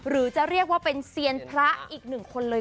หรือจะเรียกว่าเป็นเซียนพระอีกหนึ่งคนเลย